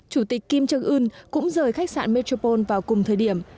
chủ tịch kim trương ương cũng rời khách sạn metropole vào cùng thời điểm